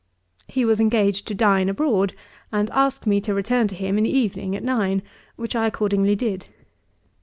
He was engaged to dine abroad, and asked me to return to him in the evening, at nine, which I accordingly did.